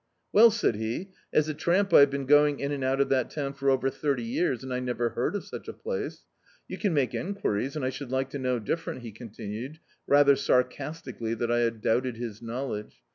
"Well," said he, "as a tramp I have been going in and out of that town for over thirty years, and I never heard of such a place. You can make en quiries, and I should like to know different," he continued, rather sarcastically that I had doubted his knowledge.